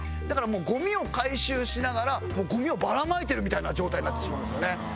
だからもうゴミを回収しながらゴミをばらまいてるみたいな状態になってしまうんですよね。